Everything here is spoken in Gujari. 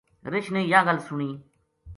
رچھ نے یاہ گل سنی